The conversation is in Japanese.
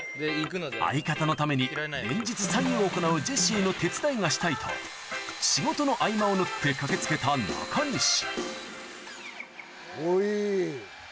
相方のために連日作業を行うジェシーの手伝いがしたいと仕事の合間を縫って駆け付けた中西おい。